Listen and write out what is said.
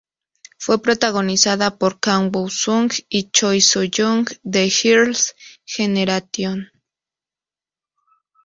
Fue protagonizada por Kam Woo Sung y Choi Soo Young de Girls' Generation.